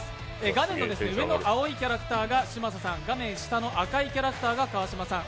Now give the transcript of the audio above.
画面の上の青いキャラクターが嶋佐さん、画面下の赤いキャラクターが川島さん。